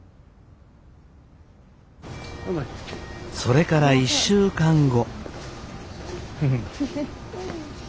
それから１週間後。